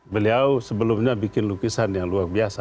beliau sebelumnya bikin lukisan yang luar biasa